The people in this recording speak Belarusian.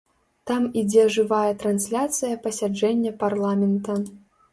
Там ідзе жывая трансляцыя пасяджэння парламента.